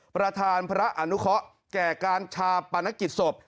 ประธานพระอนุเคาะแก่การชาปนกิจศพ